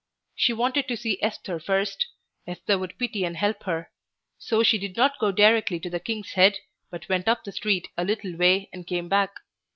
She wanted to see Esther first. Esther would pity and help her. So she did not go directly to the "King's Head," but went up the street a little way and came back.